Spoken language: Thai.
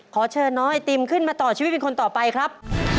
ขอเชิญน้องไอติมขึ้นมาต่อชีวิตเป็นคนต่อไปครับ